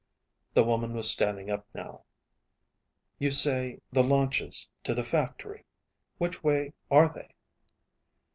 The woman was standing up now. "You say the launches to the factory? Which way are they?"